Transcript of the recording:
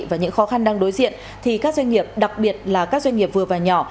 và những khó khăn đang đối diện thì các doanh nghiệp đặc biệt là các doanh nghiệp vừa và nhỏ